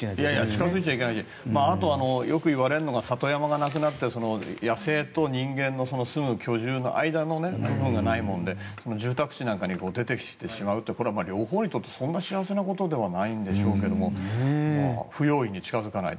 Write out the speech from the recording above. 近付いちゃいけないしよく言われるのが里山がなくなって野生と人間の住む居住の間の部分がないもんで住宅地なんかに出てきてしまうってこれは両方にとってそんな幸せなことではないんでしょうけど不用意に近付かない。